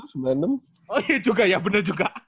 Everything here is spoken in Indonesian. oh iya juga ya bener juga